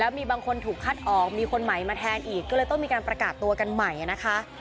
มีบางคนถูกคัดออกมีคนใหม่มาแทนอีกก็เลยต้องมีการประกาศตัวกันใหม่นะคะ